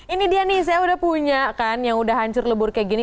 ini dia nih saya udah punya kan yang udah hancur lebur kayak gini